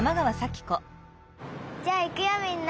じゃあいくよみんな！